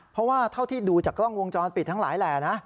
เพราะว่าเท่าที่ดูจากกล้องวงจรปิดทั้งหลายแหล่นะ